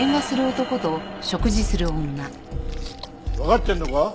わかってるのか？